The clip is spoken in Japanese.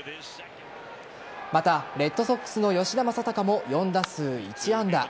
またレッドソックスの吉田正尚も４打数１安打。